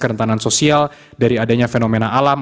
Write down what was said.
kerentanan sosial dari adanya fenomena alam